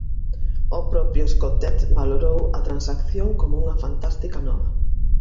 O propio Escotet valorou a transacción como unha "fantástica nova".